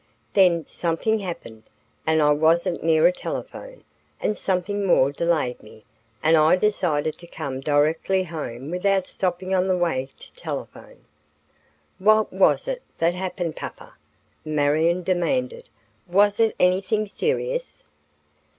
"Then something happened, and I wasn't near a telephone, and something more delayed me, and I decided to come directly home without stopping on the way to telephone." "What was it that happened, papa?" Marion demanded. "Was it anything serious?"